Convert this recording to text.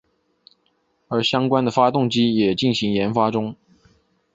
而相关的发动机也进行研发中。